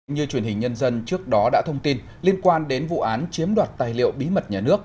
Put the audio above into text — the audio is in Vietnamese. như truyền hình nhân dân trước đó đã thông tin liên quan đến vụ án chiếm đoạt tài liệu bí mật nhà nước